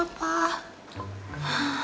namanya kalo musibah kecelakaan